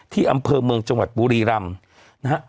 ที่อำเภอเมืองจังหวัดปุรีรำ